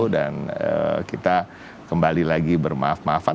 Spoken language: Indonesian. dan kita kembali lagi bermaaf maafan